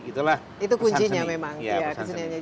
itu kuncinya memang